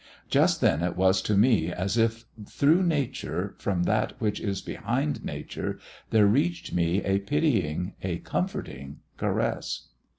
Just then it was to me as if through Nature, from that which is behind Nature, there reached me a pitying, a comforting caress.